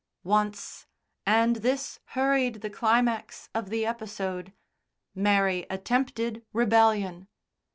Once, and this hurried the climax of the episode, Mary attempted rebellion.